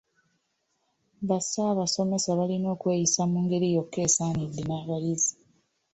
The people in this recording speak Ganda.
Bassaabasomesa balina okweyisa mu ngeri yokka esaanidde n'abayizi.